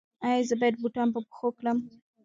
ایا زه باید بوټان په پښو کړم؟